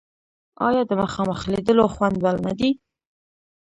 آیا د مخامخ لیدلو خوند بل نه دی؟